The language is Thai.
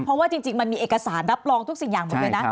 เพราะว่าจริงมันมีเอกสารรับรองทุกสิ่งอย่างหมดเลยนะ